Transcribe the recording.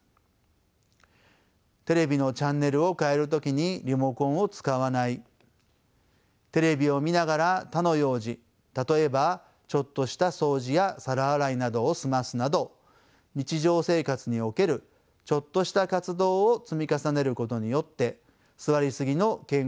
テレビのチャンネルを替える時にリモコンを使わないテレビを見ながら他の用事例えばちょっとした掃除や皿洗いなどを済ますなど日常生活におけるちょっとした活動を積み重ねることによって座りすぎの健康への悪影響を回避していただけたらと思います。